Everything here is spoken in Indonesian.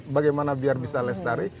bagaimana biar bisa selesai